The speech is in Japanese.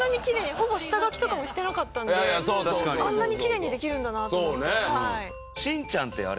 ほぼ下書きとかもしてなかったのであんなにきれいにできるんだなと思ってはい。